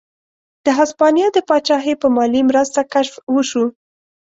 د هسپانیا د پاچاهۍ په مالي مرسته کشف وشوه.